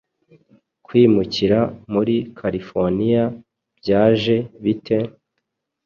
kwimukira muri california byaje bite